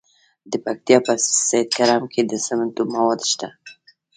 د پکتیا په سید کرم کې د سمنټو مواد شته.